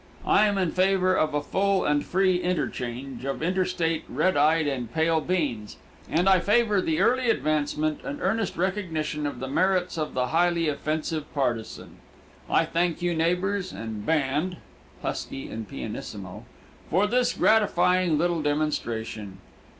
I am in favor of a full and free interchange of interstate red eyed and pale beans, and I favor the early advancement and earnest recognition of the merits of the highly offensive partisan. I thank you, neighbors and band (husky and pianissimo), for this gratifying little demonstration.